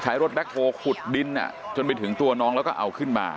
รถแบ็คโฮลขุดดินจนไปถึงตัวน้องแล้วก็เอาขึ้นมา